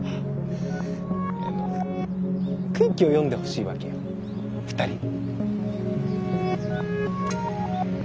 あの空気を読んでほしいわけよ２人に。